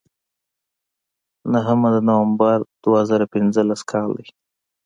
نهمه د نومبر دوه زره پینځلس کال دی.